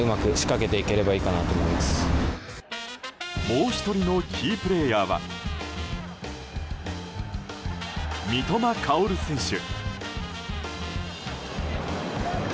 もう１人のキープレーヤーは三笘薫選手。